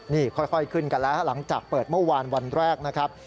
นี่ค่อยขึ้นกันแล้วหลังจากเปิดเมื่อวานวันแรกนะครับ